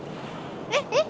えっ？